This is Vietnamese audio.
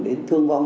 đến thương vong